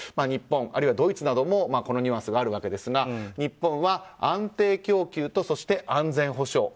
日本、あるいはドイツなどもこのニュアンスがあるわけですが日本は安定供給と安全保障。